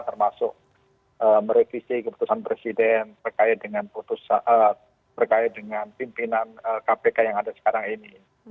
termasuk merevisi keputusan presiden terkait dengan pimpinan kpk yang ada sekarang ini